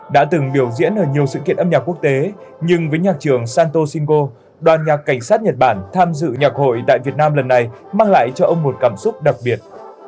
đã từng biểu diễn ở nhiều sự kiện âm nhạc quốc tế nhưng với nhạc trưởng santo shingo đoàn nhạc cảnh sát nhật bản tham dự nhạc hội tại việt nam lần này mang lại cho ông một cảm xúc đặc biệt